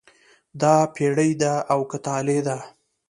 دا پیري ده او که طالع ده.